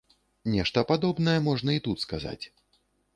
Нешта падобнае можна і тут сказаць.